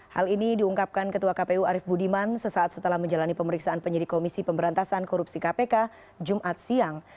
hal ini diungkapkan ketua kpu arief budiman sesaat setelah menjalani pemeriksaan penyidik komisi pemberantasan korupsi kpk jumat siang